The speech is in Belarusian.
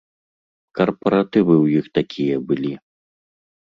Карпаратывы ў іх такія былі.